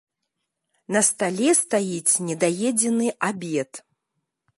На стале стаіць недаедзены абед.